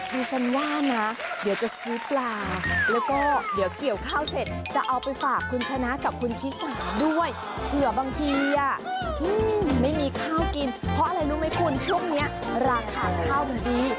ดิฉันว่านะเดี๋ยวจะซื้อปลาแล้วก็เดี๋ยวเกี่ยวข้าวเสร็จจะเอาไปฝากคุณชนะกับคุณชิสาด้วยเผื่อบางทีไม่มีข้าวกินเพราะอะไรรู้ไหมคุณช่วงนี้ราคาข้าวมันดี